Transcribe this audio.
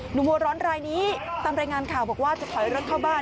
หัวร้อนรายนี้ตามรายงานข่าวบอกว่าจะถอยรถเข้าบ้าน